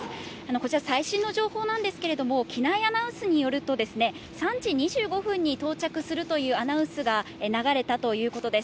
こちら、最新の情報なんですけれども、機内アナウンスによると３時２５分に到着するというアナウンスが流れたということです。